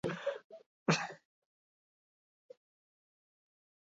Bizikletaz kostaz-kosta bisitatzeko goiz bat aski duen uharte batera?